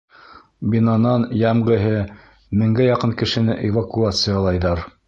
Бинанан йәмғеһе меңгә яҡын кешене эвакуациялайҙар.